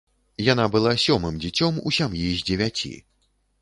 Яна была сёмым дзіцем у сям'і з дзевяці.